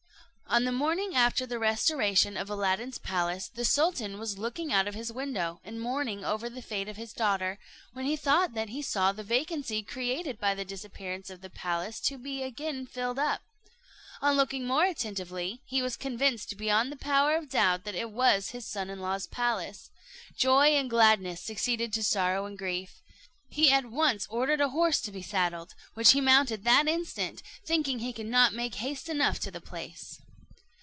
On the morning after the restoration of Aladdin's palace, the sultan was looking out of his window, and mourning over the fate of his daughter, when he thought that he saw the vacancy created by the disappearance of the palace to be again filled up. On looking more attentively, he was convinced beyond the power of doubt that it was his son in law's palace. Joy and gladness succeeded to sorrow and grief. He at once ordered a horse to be saddled, which he mounted that instant, thinking he could not make haste enough to the place.